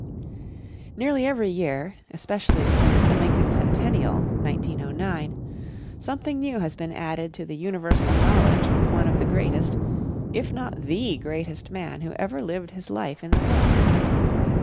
Nearly every year, especially since the Lincoln Centennial, 1909, something new has been added to the universal knowledge of one of the greatest, if not the greatest man who ever lived his life in the world.